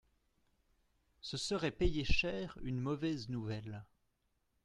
Ce serait payer cher une mauvaise nouvelle.